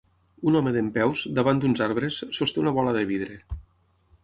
Un home dempeus, davant d'uns arbres, sosté una bola de vidre.